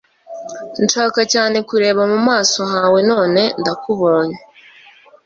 Nshaka cyane kureba mu maso hawe none ndakubonye